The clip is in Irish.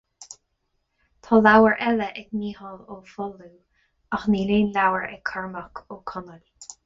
Tá leabhar eile ag Mícheál Ó Foghlú, ach níl aon leabhar ag Cormac Ó Conaill